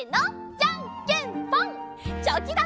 じゃんけんぽん！